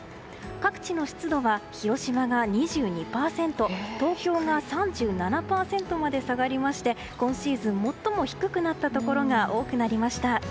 各地の湿度は広島が２２％東京が３７％まで下がりまして今シーズン最も低くなったところが多くなりました。